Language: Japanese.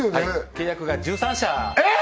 契約が１３社えっ！？